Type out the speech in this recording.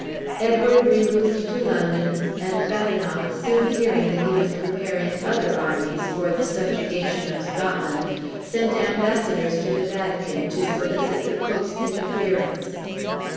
Edward removed to London; and Badenoch, soon hearing that he was preparing other armies for the subjugation of Scotland, sent embassadors to the Vatican to solicit the Pope's interference.